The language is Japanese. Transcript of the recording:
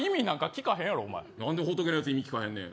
なんで仏のやつ聞かへんねん。